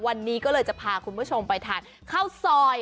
วันนี้ก็เลยจะพาคุณผู้ชมไปทานข้าวซอย